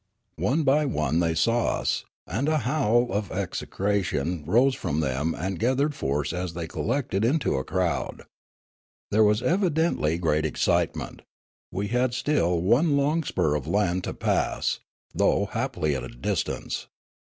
Avvdyoo 243 One by one they saw us ; and a howl of execration rose from them and gathered force as they collected into a crowd. There was evidently great excitement ; we had still one long spur of land to pass, though happily at a distance.